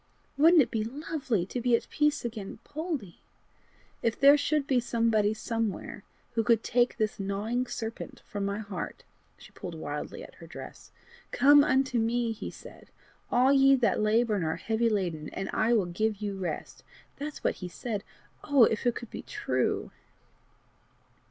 Wouldn't it be lovely to be at peace again, Poldie? If there should be somebody somewhere who could take this gnawing serpent from my heart!" She pulled wildly at her dress. "'Come unto me,' he said, 'all ye that labour and are heavy laden, and I will give you rest.' That's what he said: oh! if it could be true!"